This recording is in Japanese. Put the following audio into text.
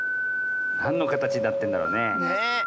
なんのかたちになってるんだろうねえ？